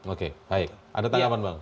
oke baik ada tanggapan bang